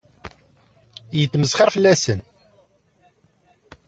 Yettmesxiṛ fell-asen.